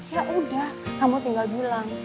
ya udah kamu tinggal bilang